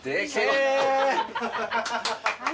はい。